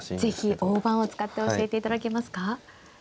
是非大盤を使って教えていただけますか。